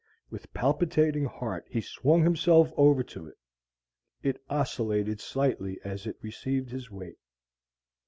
With palpitating heart he swung himself over to it. It oscillated slightly as it received his weight.